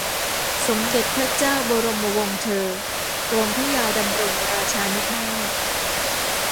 สมเด็จพระเจ้าบรมวงศเธอ กรมพระยาดำรงราชานุภาพ